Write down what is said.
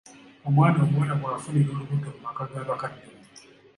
Omwana omuwala bw'afunira olubuto mu maka ga bakadde be.